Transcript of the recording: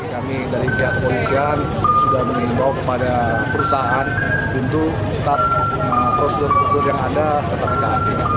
kami dari pihak kepolisian sudah mengimbau kepada perusahaan untuk tetap prosedur prosedur yang ada tetap ditaati